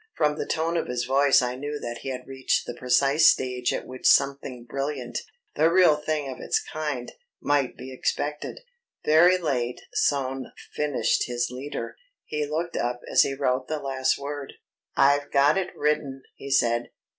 From the tone of his voice I knew that he had reached the precise stage at which something brilliant the real thing of its kind might be expected. Very late Soane finished his leader. He looked up as he wrote the last word. "I've got it written," he said.